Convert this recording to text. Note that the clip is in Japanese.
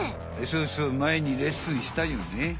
そうそうまえにレッスンしたよね。